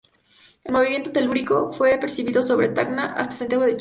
El movimiento telúrico fue percibido desde Tacna hasta Santiago de Chile.